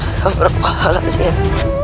sudah berpahala siap